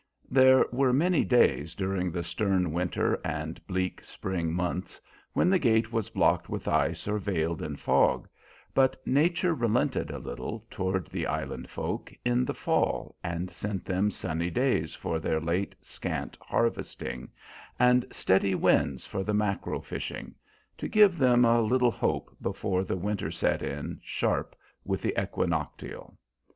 There were many days during the stern winter and bleak spring months when the gate was blocked with ice or veiled in fog, but nature relented a little toward the Island folk in the fall and sent them sunny days for their late, scant harvesting, and steady winds for the mackerel fishing, to give them a little hope before the winter set in sharp with the equinoctial.